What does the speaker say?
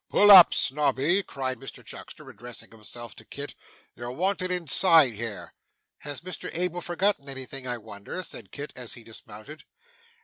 'Pull up, Snobby,' cried Mr Chuckster, addressing himself to Kit. 'You're wanted inside here.' 'Has Mr Abel forgotten anything, I wonder?' said Kit as he dismounted.